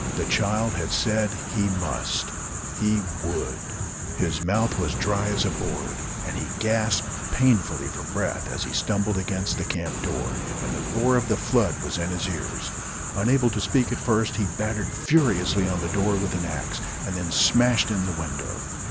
The child had said he must. He would. His mouth was dry as a board, and he gasped painfully for breath, as he stumbled against the camp door; and the roar of the flood was in his ears. Unable to speak at first, he battered furiously on the door with an axe, and then smashed in the window.